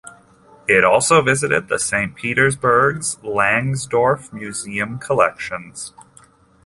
It also visited the Saint Petersburg's Langsdorff museum collections.